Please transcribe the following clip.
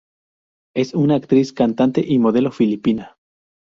Es una actriz, cantante y modelo filipina.